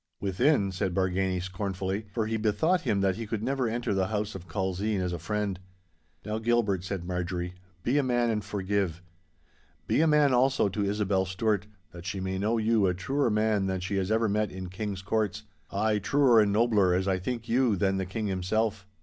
'Within?' said Bargany, scornfully, for he bethought him that he could never enter the house of Culzean as a friend. 'Now, Gilbert,' said Marjorie, 'be a man and forgive. Be a man also to Isobel Stewart, that she may know you a truer man than she has ever met in King's courts—ay, truer and nobler, as I think you, than the King himself.